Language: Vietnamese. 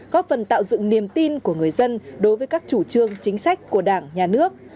góp phần tạo dựng niềm tin của người dân đối với các chủ trương chính sách của đảng nhà nước